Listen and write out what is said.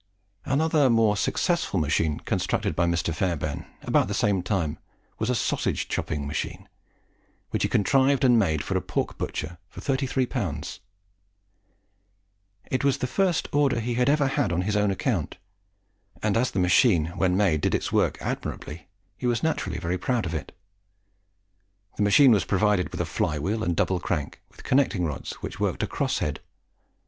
Another more successful machine constructed By Mr. Fairbairn about the same time was a sausage chopping machine, which he contrived and made for a pork butcher for 33l. It was the first order he had ever had on his own account; and, as the machine when made did its work admirably, he was naturally very proud of it. The machine was provided with a fly wheel and double crank, with connecting rods which worked a cross head.